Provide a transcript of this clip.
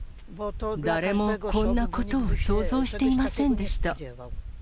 誰もこんなことを想像していませんでした。